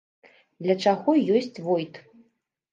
Для чаго ёсць войт?